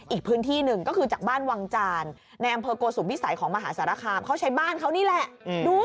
อีกพื้นที่หนึ่งก็คือจากบ้านวังจานในอำเภอโกสุมพิสัยของมหาสารคามเขาใช้บ้านเขานี่แหละ